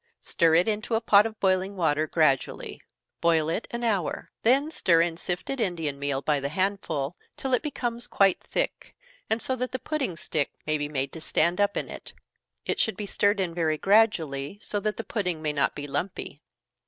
Stir it into a pot of boiling water gradually. Boil it an hour, then stir in sifted Indian meal, by the handful, till it becomes quite thick, and so that the pudding stick may be made to stand up in it. It should be stirred in very gradually, so that the pudding may not be lumpy.